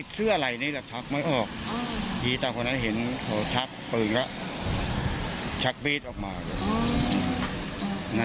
ชาวบ้านแล้วว่า